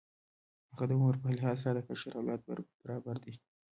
هغه د عمر په لحاظ ستا د کشر اولاد برابر دی.